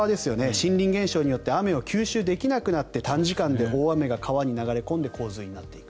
森林減少によって雨を吸収できなくなって短時間で大雨が川に流れ込んで洪水になっていく。